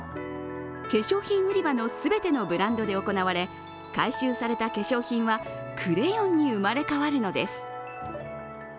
化粧品売り場の全てのブランドで行われ回収された化粧品はクレヨンに生まれ変わるのです。